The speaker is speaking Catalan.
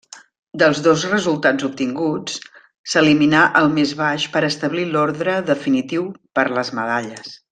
Dels dos resultats obtinguts s'eliminà el més baix per establir l'ordre definitiu per les medalles.